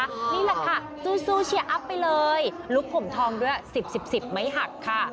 นี่แหละค่ะสู้เชียร์อัพไปเลยลุคผมทองด้วย๑๐๑๐๑๐ไม้หักค่ะ